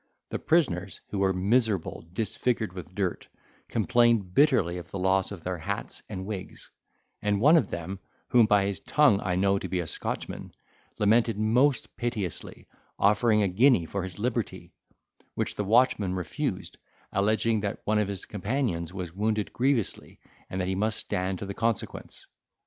The prisoners, who were miserable, disfigured with dirt, complained bitterly of the loss of their hats and wigs; and one of them, whom by his tongue I know to be a Scotchman, lamented most piteously, offering a guinea for his liberty, which the watchman refused, alleging that one of his companions was wounded grievously, and that he must stand to the consequence.